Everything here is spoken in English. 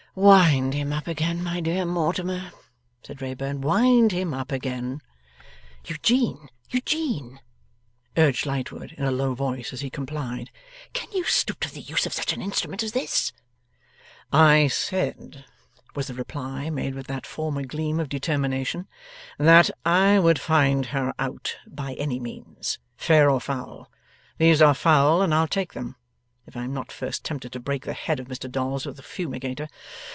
'Wind him up again, my dear Mortimer,' said Wrayburn; 'wind him up again.' 'Eugene, Eugene,' urged Lightwood in a low voice, as he complied, 'can you stoop to the use of such an instrument as this?' 'I said,' was the reply, made with that former gleam of determination, 'that I would find her out by any means, fair or foul. These are foul, and I'll take them if I am not first tempted to break the head of Mr Dolls with the fumigator.